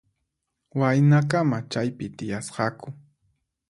Waynakama chaypi tiyasqaku.